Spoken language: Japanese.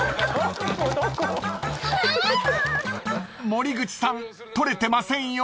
［森口さん撮れてませんよ］